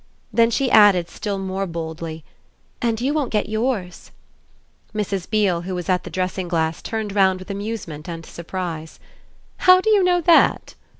Then she added still more boldly: "And you won't get yours." Mrs. Beale, who was at the dressing glass, turned round with amusement and surprise. "How do you know that?"